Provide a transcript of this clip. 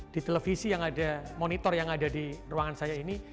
di televisi yang ada monitor yang ada di ruangan saya ini